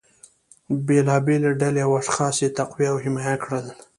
بیلابیلې ډلې او اشخاص یې تقویه او حمایه کړل